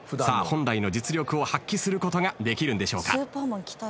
本来の実力を発揮することができるんでしょうか。